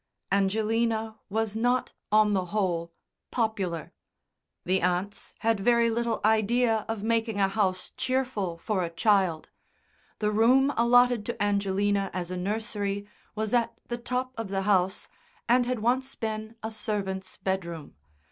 Angelina was not, on the whole, popular.... The aunts had very little idea of making a house cheerful for a child. The room allotted to Angelina as a nursery was at the top of the house, and had once been a servant's bedroom.